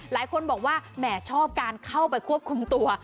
หลายคนบอกว่าแหมชอบการเข้าไปควบคุมตัว